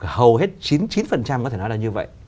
hầu hết chín mươi chín có thể nói là như vậy